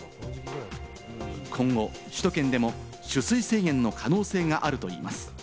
今後、首都圏でも取水制限の可能性があるといいます。